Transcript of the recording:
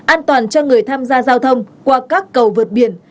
an toàn cho người tham gia giao thông qua các cầu vượt biển